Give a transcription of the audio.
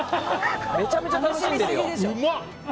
めちゃくちゃ楽しんでるよ。